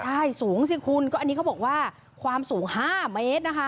ใช่สูงสิคุณก็อันนี้เขาบอกว่าความสูง๕เมตรนะคะ